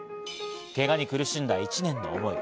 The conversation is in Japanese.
けがに苦しんだ１年の思い。